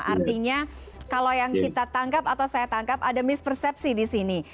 artinya kalau yang kita tangkap atau saya tangkap ada mispersepsi di sini